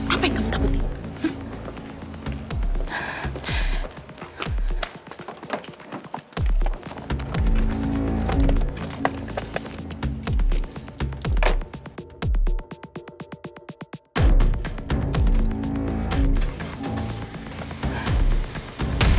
apa yang kamu kabutin